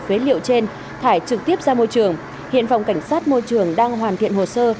phế liệu trên thải trực tiếp ra môi trường hiện phòng cảnh sát môi trường đang hoàn thiện hồ sơ